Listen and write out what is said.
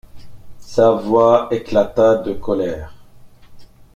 Sa voix éclata de colère.